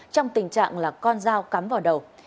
trong tình trạng là con dao cắm vào đầu